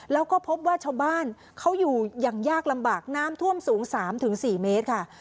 แล้วก็พบว่าชาวบ้านเขาอยู่อย่างยากลำบากน้ำท่วมสูง๓๔เมตรค่ะ